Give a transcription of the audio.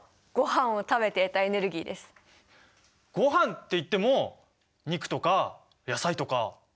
ごはんっていっても肉とか野菜とか。